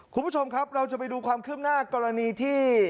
คุณผู้ชมครับเราจะไปดูความคืบหน้ากรณีที่